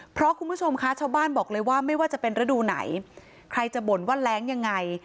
เพราะชาวบ้านบอกเลยว่าไม่ว่าจะเป็นระดูหน่อยใครจะบ่นว่าแร้งยังไง